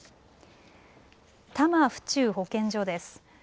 多摩府中保健所です。